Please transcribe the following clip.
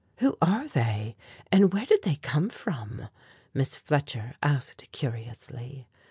"Who are they, and where did they come from?" Miss Fletcher asked curiously.